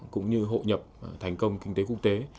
cũng như hội nhập thành công kinh tế quốc tế